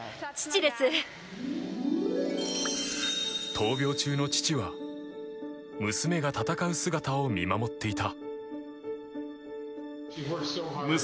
闘病中の父は娘が戦う姿を見守っていた。